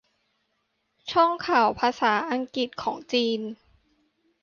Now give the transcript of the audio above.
ช่องข่าวภาษาอังกฤษของจีน